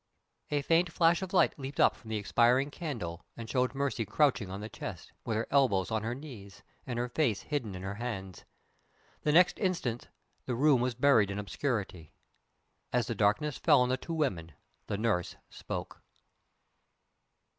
A faint flash of light leaped up from the expiring candle, and showed Mercy crouching on the chest, with her elbows on her knees, and her face hidden in her hands. The next instant the room was buried in obscurity. As the darkness fell on the two women the nurse spoke.